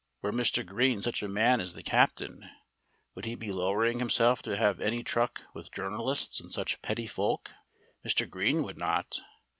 Were Mr. Green such a man as the captain, would he be lowering himself to have any truck with journalists and such petty folk? Mr. Green would not.